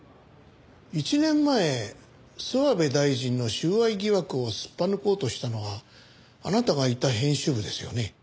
１年前諏訪部大臣の収賄疑惑をすっぱ抜こうとしたのはあなたがいた編集部ですよね？